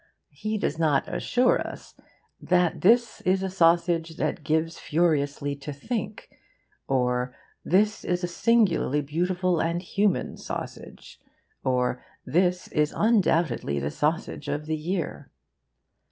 He does not assure us that 'this is a sausage that gives furiously to think,' or 'this is a singularly beautiful and human sausage,' or 'this is undoubtedly the sausage of the year.